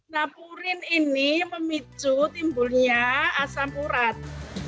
nah purin ini memicu timbulnya asam urat